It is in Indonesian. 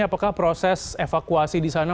apakah proses evakuasi di sana